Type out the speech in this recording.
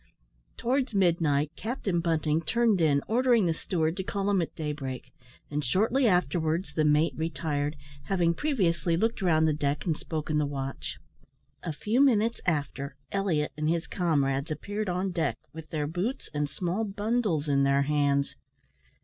Towards midnight, Captain Bunting turned in, ordering the steward to call him at daybreak; and shortly afterwards the mate retired, having previously looked round the deck and spoken the watch. A few minutes after, Elliot and his comrades appeared on deck, with their boots and small bundles in their hands.